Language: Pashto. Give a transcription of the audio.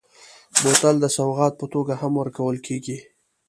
بوتل د سوغات په توګه هم ورکول کېږي.